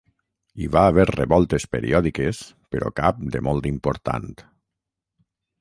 Hi va haver revoltes periòdiques però cap de molt important.